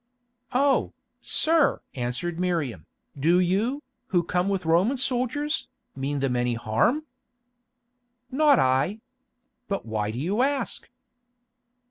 "Oh, sir!" answered Miriam, "do you, who come with Roman soldiers, mean them any harm?" "Not I. But why do you ask?"